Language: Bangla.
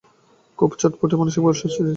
সে খুবই চটপটে, মানসিকভাবে সুস্থ আছে।